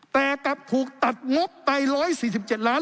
แต่กลับถูกตัดงบไป๑๔๗ล้าน